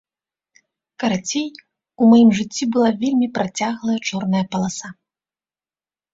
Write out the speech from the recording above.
Карацей, у маім жыцці была вельмі працяглая чорная паласа.